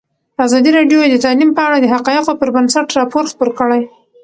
ازادي راډیو د تعلیم په اړه د حقایقو پر بنسټ راپور خپور کړی.